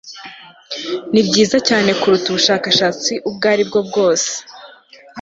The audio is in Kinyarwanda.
ni byiza cyane kuruta ubushakashatsi ubwo ari bwo bwose.